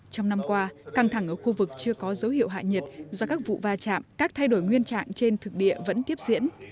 trong năm qua căng thẳng ở khu vực chưa có dấu hiệu hạ nhiệt do các vụ va chạm các thay đổi nguyên trạng trên thực địa vẫn tiếp diễn